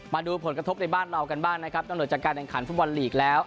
มาดูผลกระทบในบ้านเรากันบ้างนะครับตำรวจจากการแข่งขันฟุตบอลลีกแล้ว